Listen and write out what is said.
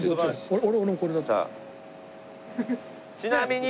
ちなみに。